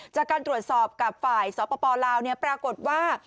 จากการตรวจสอบกับฝ่ายสปลาวปรากฏว่า